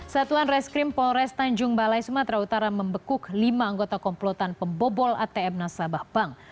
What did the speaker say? satuan reskrim polres tanjung balai sumatera utara membekuk lima anggota komplotan pembobol atm nasabah bank